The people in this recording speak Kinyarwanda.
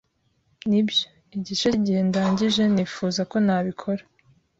Nibyo, igice cyigihe ndangije nifuza ko ntabikora.